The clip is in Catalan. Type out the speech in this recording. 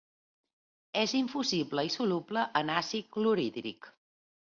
És infusible i soluble en àcid clorhídric.